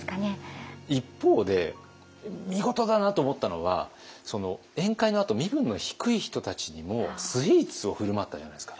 一方で見事だなと思ったのは宴会のあと身分の低い人たちにもスイーツを振る舞ったじゃないですか。